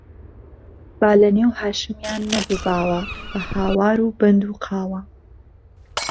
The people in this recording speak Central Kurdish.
با له نێو هاشمیان نهبباوه به هاوار و بهند و قاوه